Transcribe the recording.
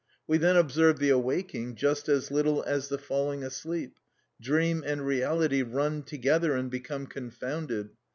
We then observe the awaking just as little as the falling asleep, dream and reality run together and become confounded.